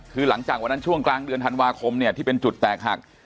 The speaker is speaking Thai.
คือหลังจากวันนั้นช่วงกลางเดือนธันวาคมเนี่ยที่เป็นจุดแตกหัก